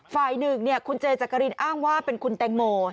ฝ่ายหนึ่งคุณเจจักรินอ้างว่าเป็นคุณแตงโม